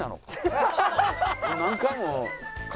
何回も。